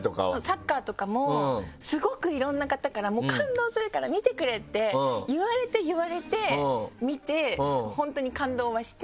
サッカーとかもスゴくいろんな方から「感動するから見てくれ！」って言われて言われて見て本当に感動はして。